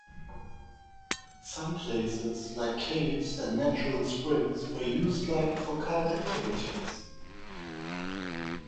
Some places like caves and natural springs were used like for cult activities.